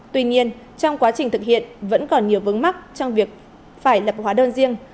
tuy nhiên trong quá trình thực hiện vẫn còn nhiều vấn mắc trong việc phải lập hóa đơn riêng